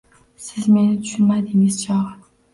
Siz meni tushunmadingiz chog`i